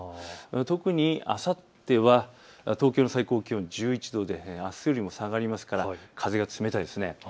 特にあさっては東京の最高気温、１１度であすよりも下がりますから風が冷たいです。